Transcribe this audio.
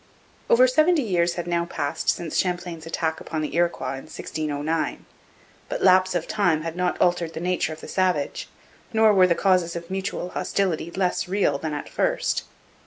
Over seventy years had now passed since Champlain's attack upon the Iroquois in 1609; but lapse of time had not altered the nature of the savage, nor were the causes of mutual hostility less real than at first.